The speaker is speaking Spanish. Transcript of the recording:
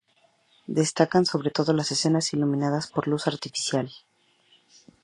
Destacan sobre todo las escenas iluminadas por luz artificial.